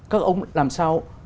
các ông làm sao